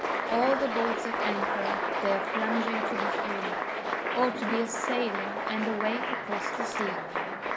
All the boats at anchor they are plunging to be free— O to be a sailor, and away across the sea!